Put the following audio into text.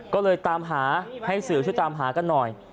ก็เลยตามหาให้สื่อช่วยตามหากันหน่อย